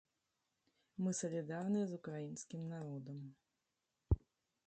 Мы салідарныя з украінскім народам!